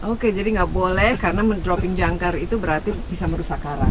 oke jadi nggak boleh karena mendroping jangkar itu berarti bisa merusak karang